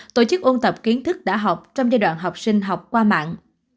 tổ chức ôn tập kiến thức đã học trong giai đoạn học sinh học qua mạng